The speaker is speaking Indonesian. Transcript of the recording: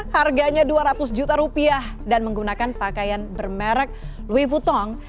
harganya dua ratus juta rupiah dan menggunakan pakaian bermerek loui futon